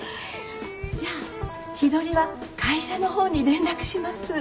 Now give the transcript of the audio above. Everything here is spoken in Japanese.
じゃあ日取りは会社のほうに連絡します。